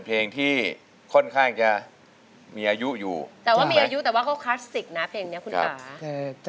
เพลงอยู่สะอาจไม่อยู่ในบริษัท